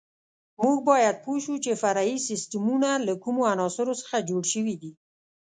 موږ باید پوه شو چې فرعي سیسټمونه له کومو عناصرو څخه جوړ شوي دي.